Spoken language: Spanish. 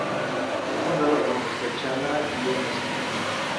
Fue fundada por Mr.Chandra Lie, Mr.